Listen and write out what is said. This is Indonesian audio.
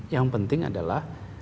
yang penting adalah